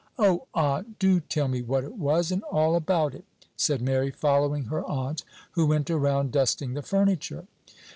"O aunt! do tell me what it was, and all about it," said Mary, following her aunt, who went around dusting the furniture.